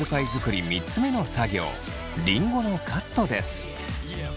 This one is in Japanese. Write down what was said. りんごのカットです。